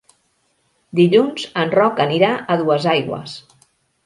Dilluns en Roc anirà a Duesaigües.